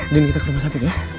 kita ke rumah sakit ya